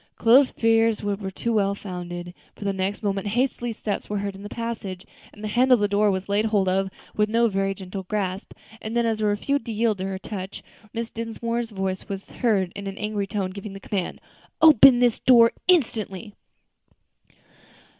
Chloe's fears were but too well founded; for the next moment hasty steps were heard in the passage, and the handle of the door was laid hold of with no very gentle grasp; and then, as it refused to yield to her touch, Mrs. Dinsmore's voice was heard in an angry tone giving the command, "Open this door instantly."